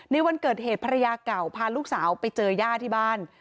วันเกิดเหตุภรรยาเก่าพาลูกสาวไปเจอย่าที่บ้าน